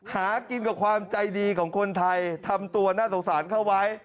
หากินกับความใจดีของคนไทยทำตัวน่าสงสารเข้าไว้